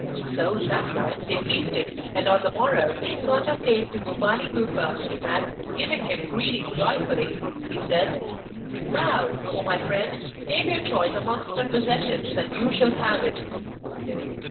So that night they feasted, and on the morrow Insato came to Gopani Kufa and, giving him greeting joyfully, he said: 'Now, O my friend, name your choice amongst my possessions and you shall have it!